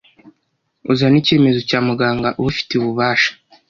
uzane icyemezo cya muganga ubifitiye ububasha